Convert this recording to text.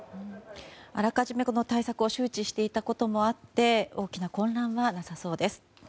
あらかじめ、この対策を周知していたこともあって大きな混乱はなさそうです。